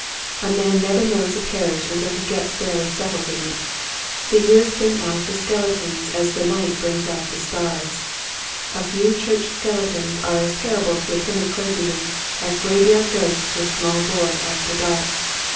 A man never knows a parish until he gets fairly settled in it. The years bring out the skeletons as the night brings out the stars. A few church skeletons are as ter rible to a timid clergyman as graveyard ghosts to a small boy after dark.